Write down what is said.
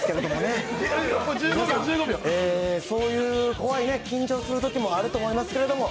皆さん、そういう怖い緊張するときもあると思いますけれども。